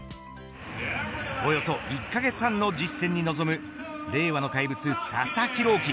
およそ１カ月半の実践に臨む令和の怪物、佐々木朗希。